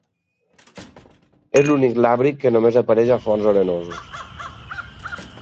És l'únic làbrid que només apareix a fons arenosos.